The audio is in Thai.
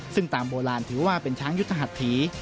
ซึ่งตามโบราณถือว่าเป็นช้างยุทธหัสถี